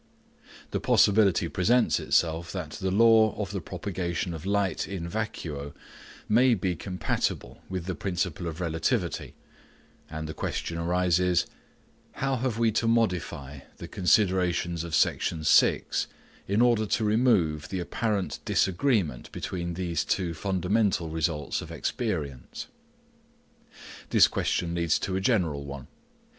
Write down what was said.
The possibility presents itself that the law of the propagation of light in vacuo may be compatible with the principle of relativity, and the question arises: How have we to modify the considerations of Section 6 in order to remove the apparent disagreement between these two fundamental results of experience? This question leads to a general one.